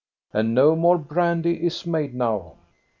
And no more brandy is made now."